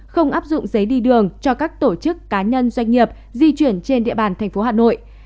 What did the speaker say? không áp dụng giấy đi đường cho các tổ chức cá nhân doanh nghiệp di chuyển trên địa bàn thành phố hà nội